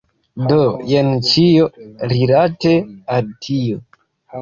Do, jen ĉio, rilate al tio.